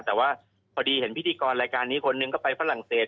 แต่ว่าพอดีเห็นพิธีกรรายการนี้คนหนึ่งก็ไปฝรั่งเศส